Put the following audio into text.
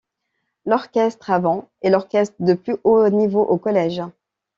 L'Orchestre à vent est l'orchestre de plus haut niveau au Collège.